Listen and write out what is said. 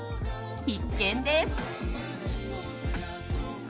必見です。